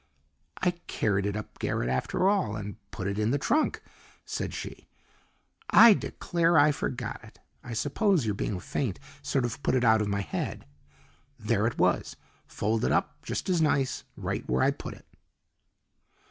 "I carried it up garret, after all, and put it in the trunk," said, she. "I declare, I forgot it. I suppose your being faint sort of put it out of my head. There it was, folded up just as nice, right where I put it."